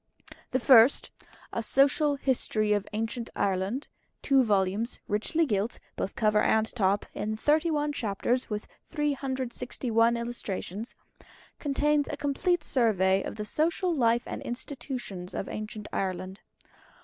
The First "A Social History of Ancient Ireland" (2 vols., richly gilt, both cover and top, in 31 chapters, with 361 Illustrations) contains a complete survey of the Social Life and Institutions of Ancient Ireland.